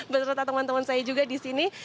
menurut teman teman saya juga disini